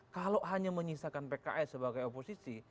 kalau hanya menyisakan pks sebagai oposisi